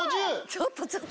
ちょっとちょっと。